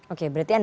oke berarti anda